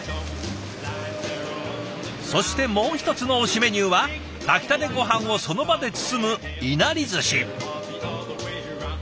そしてもう一つの推しメニューは炊きたてごはんをその場で包むいなりずし。